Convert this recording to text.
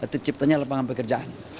terciptanya lapangan pekerjaan